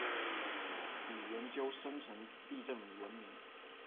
以研究深层地震闻名。